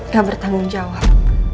gak bertanggung jawab